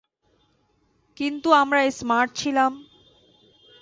কিন্তু আমরা স্মার্ট ছিলাম।